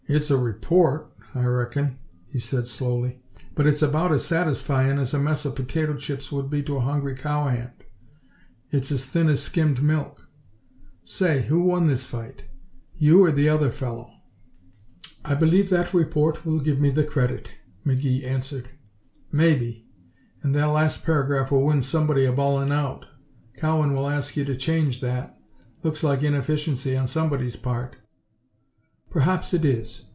"It's a report, I reckon," he said slowly, "but it's about as satisfyin' as a mess of potato chips would be to a hungry cowhand. It's as thin as skimmed milk. Say, who won this fight? You or the other fellow?" "I believe that report will give me the credit," McGee answered. "Maybe. And that last paragraph will win somebody a bawlin' out. Cowan will ask you to change that. Looks like inefficiency on somebody's part." "Perhaps it is.